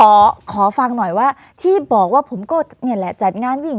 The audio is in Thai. ขอขอฟังหน่อยว่าที่บอกว่าผมก็เนี่ยแหละจัดงานวิ่ง